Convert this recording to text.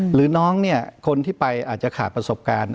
หรือน้องเนี่ยคนที่ไปอาจจะขาดประสบการณ์